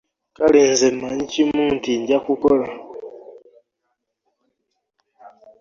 Kale nze mmanyi kimu nti nja kukola.